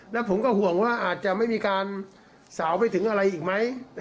แล้วผมก็ห่วงว่าอาจจะไม่มีการสาวไปถึงอะไรอีกไหม